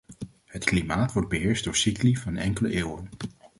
Het klimaat wordt beheerst door cycli van enkele eeuwen.